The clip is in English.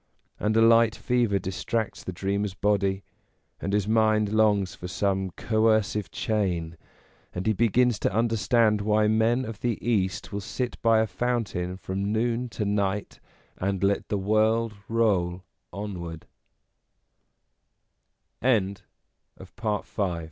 And a light fever distracts the dreamer's body, and his mind longs for some coercive chain, and he begins to understand why men of the East will sit by a fountain from noon to night, and let the wo